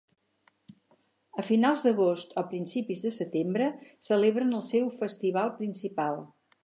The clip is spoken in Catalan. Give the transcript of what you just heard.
A finals d'agost o principis de setembre celebren el seu festival principal.